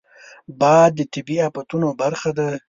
باد د طبیعي افتونو برخه ده